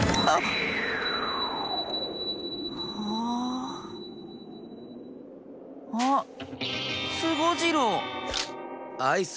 あっ。